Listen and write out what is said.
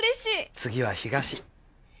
次は東。